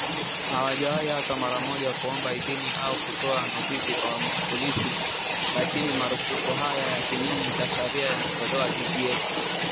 Hawajawahi hata mara moja kuomba idhini au kutoa notisi kwa polisi, lakini marufuku haya ya kinyume cha sharia yanatolewa dhidi yetu